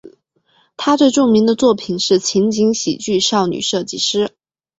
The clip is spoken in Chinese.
他最著名的作品是情景喜剧少女设计师。